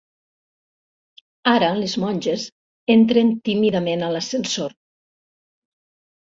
Ara les monges entren tímidament a l'ascensor.